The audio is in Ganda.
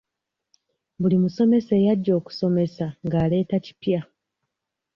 Buli musomesa eyajja okusomesa ng'aleeta kipya.